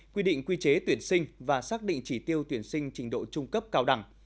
quy định quy chế tuyển sinh và xác định chỉ tiêu tuyển sinh trình độ trung cấp cao đẳng